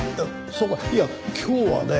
そうかいや今日はね